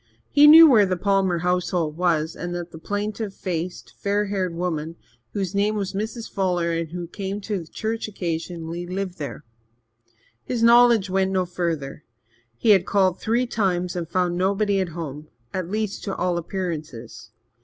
He knew where the Palmer homestead was, and that the plaintive faced, fair haired woman, whose name was Mrs. Fuller and who came to church occasionally, lived there. His knowledge went no further. He had called three times and found nobody at home at least, to all appearances.